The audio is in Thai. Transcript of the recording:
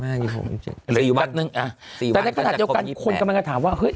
แต่ในขณะเดียวกันคนกำลังจะถามว่า